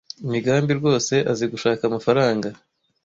Migambi rwose azi gushaka amafaranga.